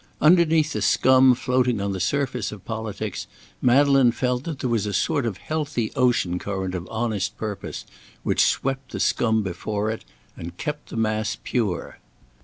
Underneath the scum floating on the surface of politics, Madeleine felt that there was a sort of healthy ocean current of honest purpose, which swept the scum before it, and kept the mass pure.